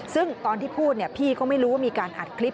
ซึ่งตอนที่พูดพี่ก็ไม่รู้ว่ามีการอัดคลิป